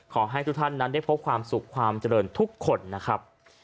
ขอให้ทุกท่านนั้นได้พบความสุขความเจริญทุกคนนะครับ